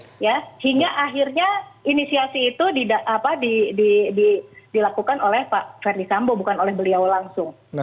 ya hingga akhirnya inisiasi itu dilakukan oleh pak ferdisambo bukan oleh beliau langsung